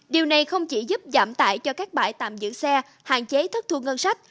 điều này không chỉ giúp giảm tải cho các bãi tạm giữ xe hạn chế thất thu ngân sách